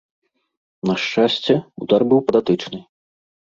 На шчасце, удар быў па датычнай.